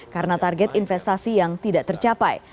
karena target investasi yang tidak tercapai